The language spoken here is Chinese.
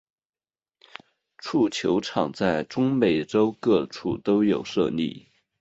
蹴球场在中美洲各处都有设立。